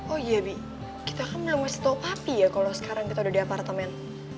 oh iya kita kan belum masih tau papi ya kalau sekarang kita udah di apartemen